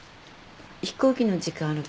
飛行機の時間あるから。